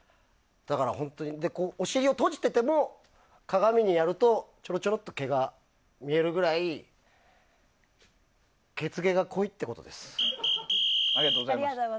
お尻を閉じていても鏡にやるとちょろちょろっと毛が見えるくらいありがとうございます。